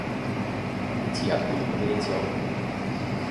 Лети откуда прилетел!